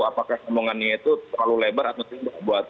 apakah sambungannya itu terlalu lebar atau tidak